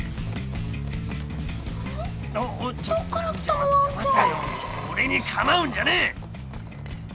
邪魔だよ俺に構うんじゃねえ！